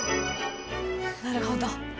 なるほど。